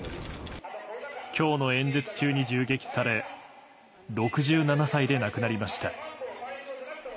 きょうの演説中に銃撃され、６７歳で亡くなりました。